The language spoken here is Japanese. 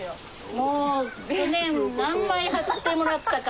もう去年何枚張ってもらったか。